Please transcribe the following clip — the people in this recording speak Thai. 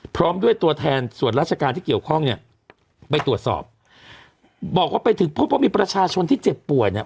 พร้อมด้วยตัวแทนส่วนราชการที่เกี่ยวข้องเนี่ยไปตรวจสอบบอกว่าไปถึงพบว่ามีประชาชนที่เจ็บป่วยเนี่ย